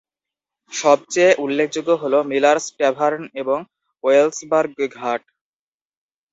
সবচেয়ে উল্লেখযোগ্য হল মিলার'স ট্যাভার্ন এবং ওয়েলসবার্গ ঘাট।